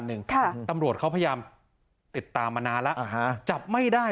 หนึ่งค่ะตำรวจเขาพยายามติดตามมานานแล้วอ่าฮะจับไม่ได้